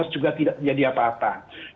dua ribu delapan belas juga tidak terjadi apa apa